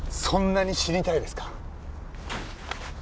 そんなに死にたいですか？